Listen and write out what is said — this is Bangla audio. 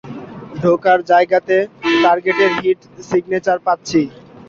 ঢোকার জায়গাতে টার্গেটের হিট সিগনেচার পাচ্ছি।